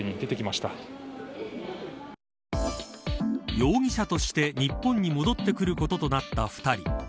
容疑者として日本に戻ってくることとなった２人。